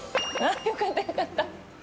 良かった良かった。